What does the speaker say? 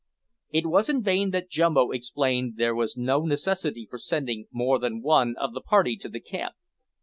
It was in vain that Jumbo explained there was no necessity for sending more than one of the party to the camp.